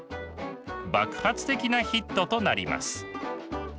爆発的なヒットとなります。